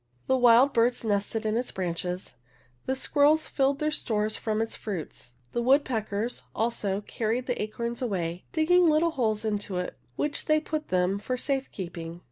The wild birds nested in its branches, the squirrels filled their stores from its fruits; the woodpeckers, also, car ried the acorns away, digging little holes into which theyput them for safe keeping.